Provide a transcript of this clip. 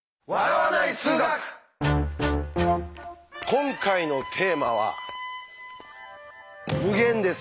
今回のテーマは「無限」です。